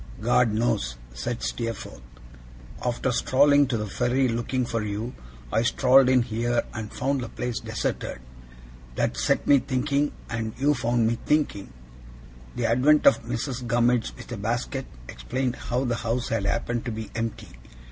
'God knows,' said Steerforth. 'After strolling to the ferry looking for you, I strolled in here and found the place deserted. That set me thinking, and you found me thinking.' The advent of Mrs. Gummidge with a basket, explained how the house had happened to be empty.